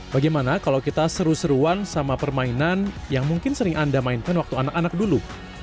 bagaimana kalau kita seru seruan sama permainan yang mungkin sering anda mainkan waktu anak anak dulu